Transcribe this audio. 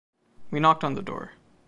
We knocked on the door.